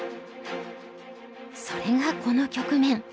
それがこの局面。